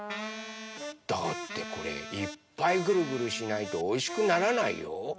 だってこれいっぱいグルグルしないとおいしくならないよ。